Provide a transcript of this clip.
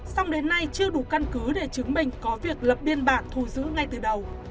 xong đến nay chưa đủ căn cứ để chứng minh có việc lập biên bản thu giữ ngay từ đầu